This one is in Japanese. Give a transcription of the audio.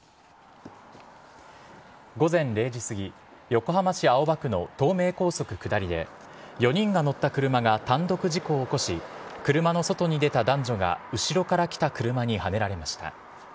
午前０時過ぎ、横浜市青葉区の東名高速下りで、４人が乗った車が単独事故を起こし、車の外に出た男女が後ろから来た車にはねられました。